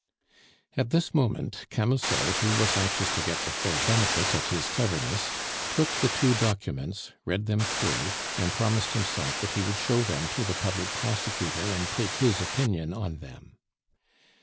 At this moment Camusot, who was anxious to get the full benefit of his cleverness, took the two documents, read them through, and promised himself that he would show them to the public prosecutor and take his opinion on them.